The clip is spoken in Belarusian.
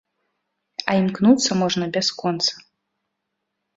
А імкнуцца можна бясконца.